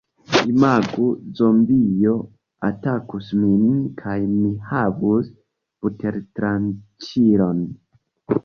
Imagu... zombio atakus min kaj mi havus butertranĉilon